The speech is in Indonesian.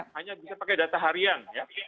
hanya bisa pakai data harian ya